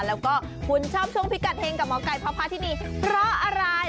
แล้วก็คุณชอบชมพี่กัดเห็งกับหมอไก่พาพาที่นี่เพราะอะไร